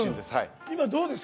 今、どうですか？